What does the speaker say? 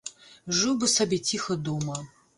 Жыў бы сабе ціха дома.